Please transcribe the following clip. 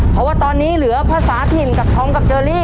เพราะว่าตอนนี้เหลือภาษาถิ่นกับธอมกับเจอรี่